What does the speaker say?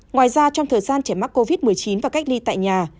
ngoài ra trong thời gian trẻ mắc covid một mươi chín và cách ly tại nhà